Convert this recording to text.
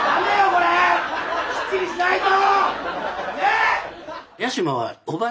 これきっちりしないと。